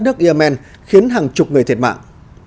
đất nước yemen khiến hàng chục người thiệt mạng